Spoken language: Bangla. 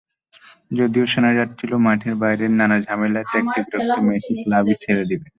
যদিও শোনা যাচ্ছিল, মাঠের বাইরের নানা ঝামেলায় ত্যক্ত-বিরক্ত মেসি ক্লাবই ছেড়ে দেবেন।